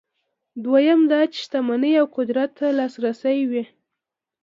دویم دا چې شتمنۍ او قدرت ته لاسرسی وي.